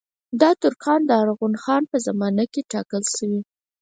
دا ترکان د ارغون خان په زمانه کې ټاکل شوي.